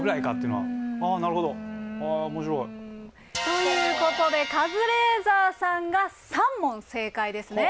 ということでカズレーザーさんが３問正解ですね。